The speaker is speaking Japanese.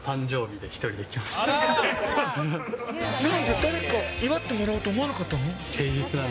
誰かに祝ってもらおうと思わなかったの？